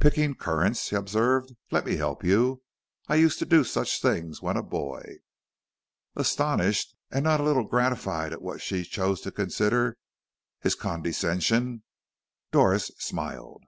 "Picking currants?" he observed. "Let me help you. I used to do such things when a boy." Astonished, and not a little gratified at what she chose to consider his condescension, Doris smiled.